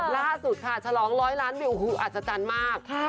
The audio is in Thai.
ล่าสุดค่ะฉลองร้อยล้านวิวโอ้โหอัศจรรย์มาก